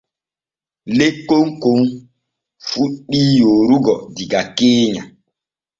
Lekkon kon fuɗɗi yoorugo diga keenya.